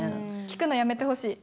聞くのやめてほしい。